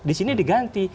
di sini diganti